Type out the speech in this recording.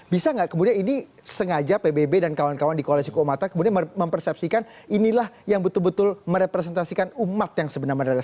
bisa nggak kemudian ini sengaja pbb dan kawan kawan di koalisi keumatan kemudian mempersepsikan inilah yang betul betul merepresentasikan umat yang sebenarnya adalah